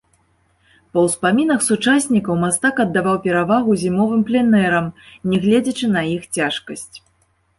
Па ўспамінах сучаснікаў мастак аддаваў перавагу зімовым пленэрам, не гледзячы на іх цяжкасць.